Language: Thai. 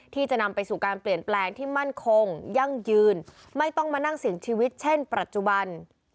ที่จะนำไปสู่การเปลี่ยนแปลงที่มั่นคงยั่งยืนไม่ต้องมานั่งเสี่ยงชีวิตเช่นปัจจุบัน